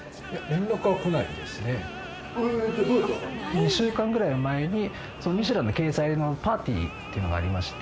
２週間ぐらい前に『ミシュラン』の掲載のパーティーっていうのがありまして。